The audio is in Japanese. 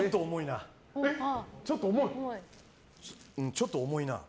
ちょっと重いな。